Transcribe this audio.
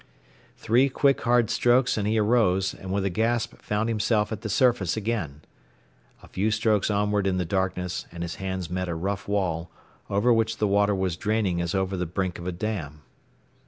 Three quick, hard strokes, and he arose, and with a gasp found himself at the surface again. A few strokes onward in the darkness, and his hands met a rough wall, over which the water was draining as over the brink of a dam.